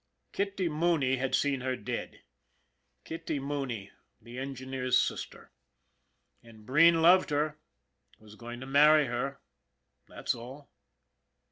Kitty Mooney had seen her dead. Kitty Mooney, the engineer's sister ! And Breen loved her, was going to marry her. That's all.